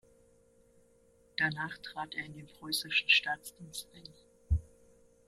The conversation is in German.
Danach trat er in den preußischen Staatsdienst ein.